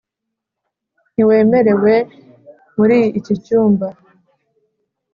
ntiwemerewe muri iki cyumba.